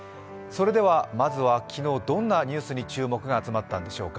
まずは昨日どんなニュースに注目が集まったんでしょうか。